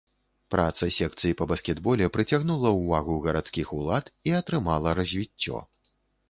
Праца секцый па баскетболе прыцягнула ўвагу гарадскіх улад і атрымала развіццё.